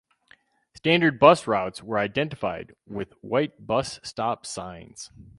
Standard bus routes were identified with white bus stop signs.